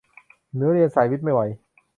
หนูเรียนสายวิทย์ไม่ไหว